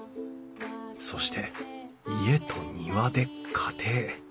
そして「家」と「庭」で家庭。